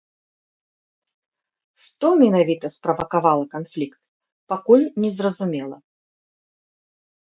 Што менавіта справакавала канфлікт, пакуль незразумела.